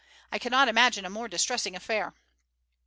I cannot imagine a more distressing affair."